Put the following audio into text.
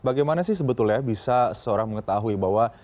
bagaimana sih sebetulnya bisa seorang mengetahui bahwa